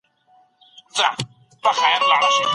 د هګیو په خوړلو سره بدن ته پوره پروټین او انرژي رسېږي.